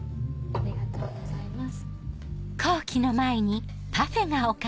ありがとうございます。